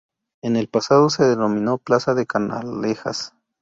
En el pasado se denominó plaza de Canalejas.